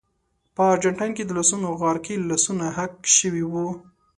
په ارجنټاین کې د لاسونو غار کې لاسونه حک شوي وو.